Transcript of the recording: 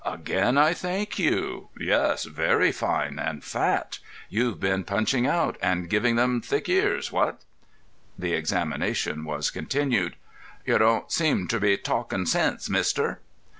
"Again I thank you. Yes, very fine and fat. You've been punching out and giving them thick ears. What?" The examination was continued. "You doan't seem ter be talkin' sense, mister."